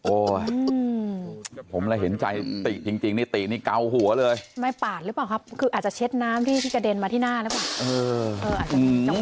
ผมเลยเห็นใจติจริงนิตินี่เกาหัวเลยไม่ปาดหรือเปล่าครับคืออาจจะเช็ดน้ำที่กระเด็นมาที่หน้าหรือเปล่า